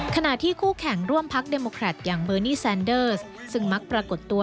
ขณะที่คู่แข่งร่วมพักเดโมแครตอย่างเบอร์นี่แซนเดอร์สซึ่งมักปรากฏตัว